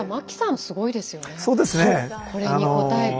これに応えて。